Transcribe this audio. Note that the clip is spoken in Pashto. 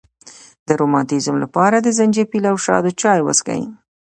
د روماتیزم لپاره د زنجبیل او شاتو چای وڅښئ